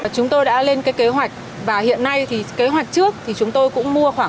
chúng tôi đã lên kế hoạch và hiện nay kế hoạch trước chúng tôi cũng mua khoảng ba trăm linh